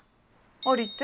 ありって？